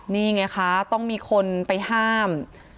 นี่ไงคะต้องมีคนไปห้าม